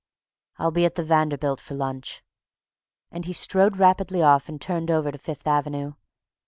"I'll be at the Vanderbilt for lunch." And he strode rapidly off and turned over to Fifth Avenue.